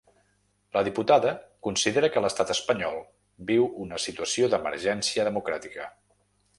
La diputada considera que l’estat espanyol viu una situació d’emergència democràtica.